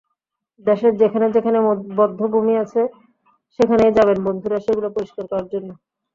দেশের যেখানে যেখানে বধ্যভূমি আছে, সেখানেই যাবেন বন্ধুরা সেগুলো পরিষ্কার করার জন্য।